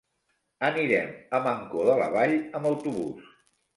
Anirem a Mancor de la Vall amb autobús.